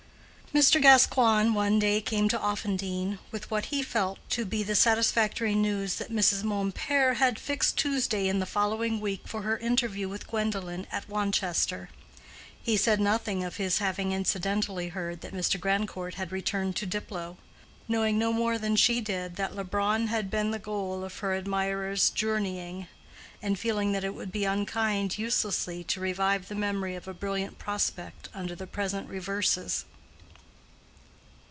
Mr. Gascoigne one day came to Offendene with what he felt to be the satisfactory news that Mrs. Mompert had fixed Tuesday in the following week for her interview with Gwendolen at Wanchester. He said nothing of his having incidentally heard that Mr. Grandcourt had returned to Diplow; knowing no more than she did that Leubronn had been the goal of her admirer's journeying, and feeling that it would be unkind uselessly to revive the memory of a brilliant prospect under the present reverses.